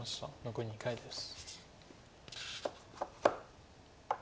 残り２回です。